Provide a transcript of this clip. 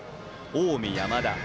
近江の山田。